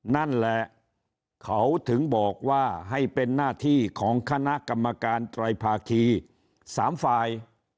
นั่นแหละเขาถึงบอกว่าให้เป็นหน้าที่ของคณะกรรมการไตรภาคี๓ฝ่าย